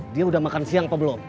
dia udah makan siang apa belum